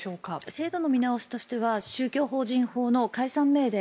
制度の見直しとしては宗教法人法の解散命令